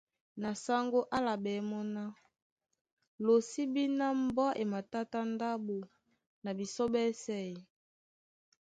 Na sáŋgó á álaɓɛ́ mɔ́ ná:Lo sí bí ná mbɔ́ e matátá ndáɓo na bisɔ́ ɓɛ́sɛ̄ ē?